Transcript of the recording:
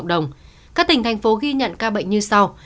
các đồng thành phố ghi nhận ca bệnh như sau